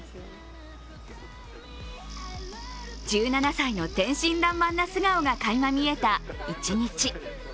１７歳の天真らんまんな素顔がかいま見えた一日。